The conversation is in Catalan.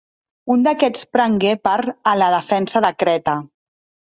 Un d'aquests prengué part a la defensa de Creta.